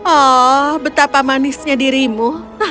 oh betapa manisnya dirimu